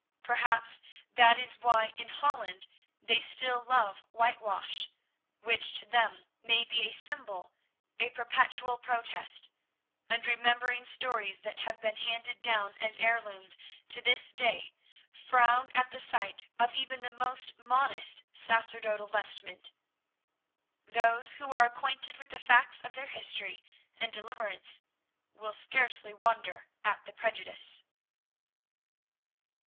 Perhaps that is why in Holland they still love whitewash, which to them may be a symbol, a perpetual protest; and remembering stories that have been handed down as heirlooms to this day, frown at the sight of even the most modest sacerdotal vestment. Those who are acquainted with the facts of their history and deliverance will scarcely wonder at the prejudice.